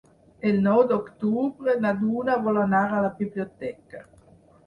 El nou d'octubre na Duna vol anar a la biblioteca.